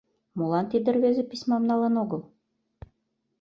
Молан тиде рвезе письмам налын огыл?